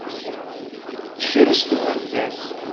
Tekres twenza-s.